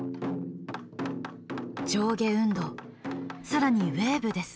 上下運動更にウエーブです。